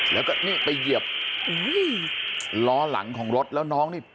แล้วก็นี่ไปเหยียบล้อหลังของรถแล้วน้องนี่